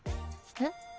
えっ？